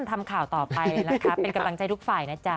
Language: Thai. ทำข่าวต่อไปนะคะเป็นกำลังใจทุกฝ่ายนะจ๊ะ